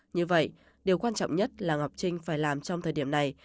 như vậy điều quan trọng nhất là ngọc trinh phải làm trong thời điểm này